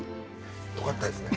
よかったですね。